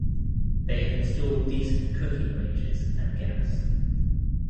They have installed decent cooking ranges and gas.